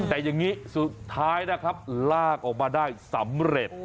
แต่อย่างนี้สุดท้ายนะครับลากออกมาได้สำเร็จ